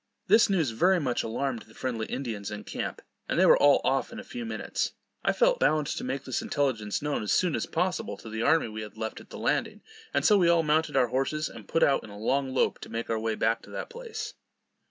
This news very much alarmed the friendly Indians in camp, and they were all off in a few minutes. I felt bound to make this intelligence known as soon as possible to the army we had left at the landing; and so we all mounted our horses, and put out in a long lope to make our way back to that place.